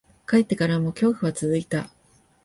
帰ってからも、恐怖は続いた。